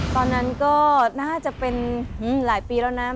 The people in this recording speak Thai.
ตอนนั้นก็น่าจะเป็นหลายปีแล้วนะ